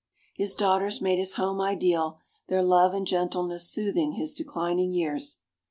His daughters made his home ideal, their love and gentleness soothing his declining years.